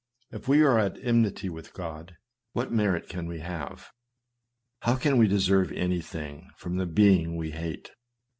If we are at enmity with God, what merit can we have ? How can we deserve anything from the being we hate